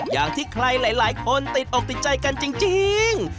อย่างที่ใครหลายคนติดอกติดใจกันจริง